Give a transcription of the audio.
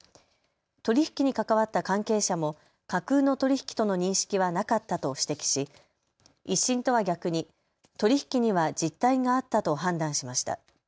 取り引きに関わった関係者も架空の取り引きとの認識はなかったと指摘し１審とは逆に取り引きには実態があったと判断しました。